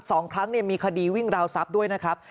สองครั้งเนี่ยมีคดีวิ่งราวทรัพย์ด้วยนะครับ